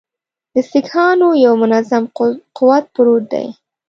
د سیکهانو یو منظم قوت پروت دی.